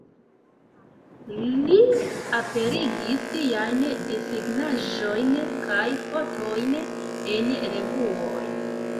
Li aperigis siajn desegnaĵojn kaj fotojn en revuoj.